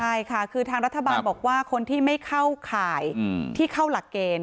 ใช่ค่ะคือทางรัฐบาลบอกว่าคนที่ไม่เข้าข่ายที่เข้าหลักเกณฑ์